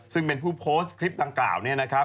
ซึ่งเป็นผู้โพสต์คลิปดังกล่าวเนี่ยนะครับ